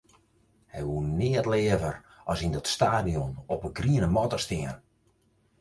Hy woe neat leaver as yn dat stadion op 'e griene matte stean.